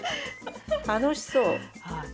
楽しそう！